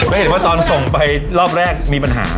แล้วเห็นว่าตอนส่งไปรอบแรกมีปัญหา